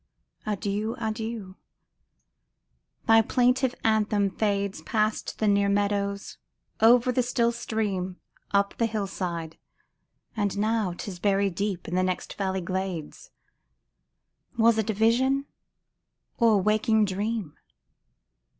Adieu ! adieu ! thy plaintive anthem fades Past the near meadows, over the still stream, Up the hill side ; and now 'tis buried deep In the next valley glades : Was it a vision, or a waking dream